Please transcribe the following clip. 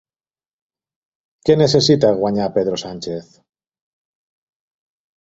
Què necessita guanyar Pedro Sánchez?